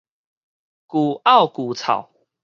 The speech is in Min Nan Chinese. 舊漚舊臭